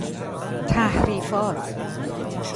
تحریفات